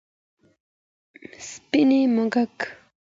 سپین موږک 🐁